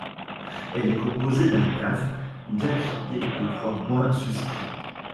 Elle est composée d’un kāf diacrité de trois points suscrits.